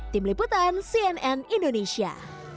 tim liputan cnn indonesia